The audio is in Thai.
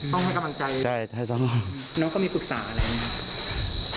ต้องให้กำลังใจนะครับน้องก็มีปรึกษาอะไรไหมครับ